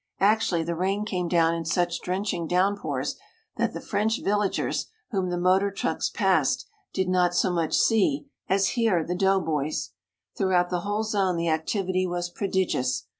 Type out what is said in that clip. Actually, the rain came down in such drenching downpours that the French villagers whom the motor trucks passed did not so much see as hear the doughboys. Throughout the whole zone the activity was prodigious.